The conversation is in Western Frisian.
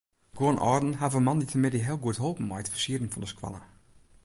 Guon âlden hawwe moandeitemiddei heel goed holpen mei it fersieren fan de skoalle.